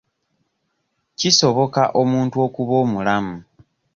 Kisoboka omuntu okuba omulamu.